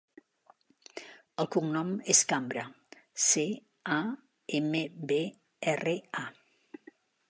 El cognom és Cambra: ce, a, ema, be, erra, a.